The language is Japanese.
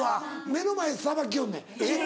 目の前でさばきよんねん。